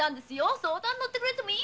相談に乗ってくれても。